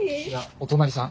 お隣さん？